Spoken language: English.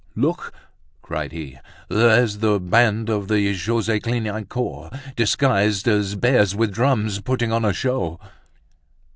"Look!" cried he, "there's the band of the Chaussee Clignancourt, disguised as bears with drums, putting on a show."